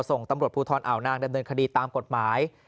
ส่งตำรวจภูทรอ่าวนางดำเนินคดีตามกฎหมาย